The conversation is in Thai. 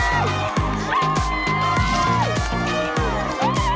โอเคฟ๊า